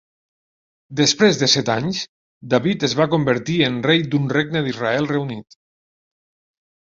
Després de set anys, David es va convertir en rei d'un regne d'Israel reunit.